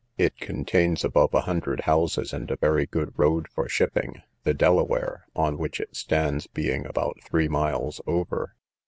It contains above a hundred houses, and a very good road for shipping, the Delaware, on which it stands, being about three miles over.